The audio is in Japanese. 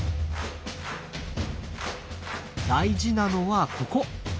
大事なのはここ！